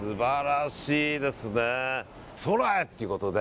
空へっていうことで。